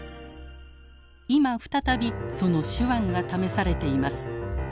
今再びその手腕が試されています。